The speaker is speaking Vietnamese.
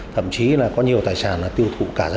thậm chí là có nhiều tài sản là tiêu thụ